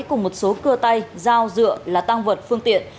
cùng một số cưa tay dao dựa là tăng vật phương tiện